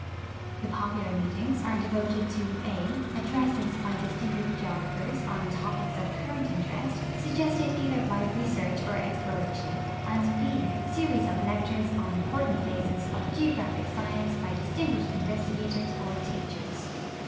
The popular meetings are devoted to (a) addresses by distin guished geograpliers on topics of current interest suggested either by research or exploration, and (//) series of lectures on impor tant phases of geograi)hic science by distinguished investigators or teachers.